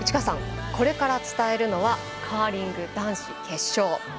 これから伝えるのはカーリング男子決勝。